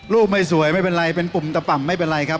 ไม่สวยไม่เป็นไรเป็นปุ่มตะป่ำไม่เป็นไรครับ